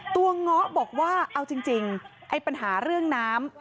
เงาะบอกว่าเอาจริงไอ้ปัญหาเรื่องน้ำ